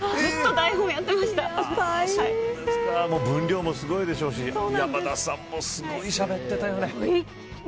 大みそかも、お正月も分量もすごいでしょうし山田さんもすごいしゃべってたよね。